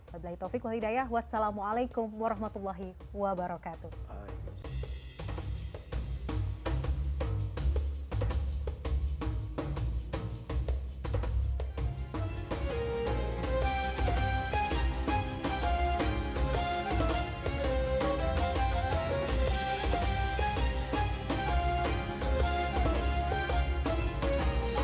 wa'alaikumsalam wa'alaikum warahmatullahi wabarakatuh